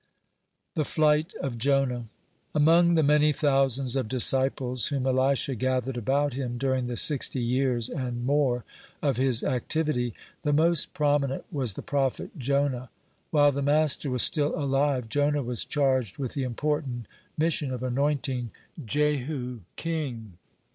(22) THE FLIGHT OF JONAH Among the many thousands (23) of disciples whom Elisha gathered about him during the sixty years (24) and more of his activity, the most prominent was the prophet Jonah. While the master was still alive, Jonah was charged with the important mission of anointing Jehu king.